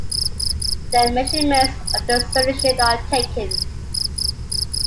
Then measurements of the solution are taken.